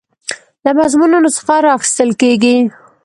له مضمونونو څخه راخیستل کیږي.